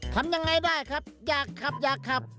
ทำยังไงได้ครับอยากขับอยากขับ